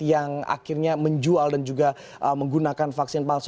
yang akhirnya menjual dan juga menggunakan vaksin palsu